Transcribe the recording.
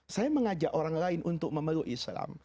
saya mengajak orang lain untuk memeluk islam